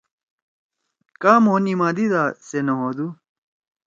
کا مھو نِمادیدا سے نہ ہودُو۔